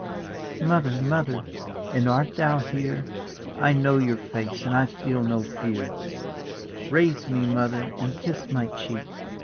" Mother, Mother, and art thou here? I know your face and I feel no fear; Raise me. Mother, and kiss my cheek.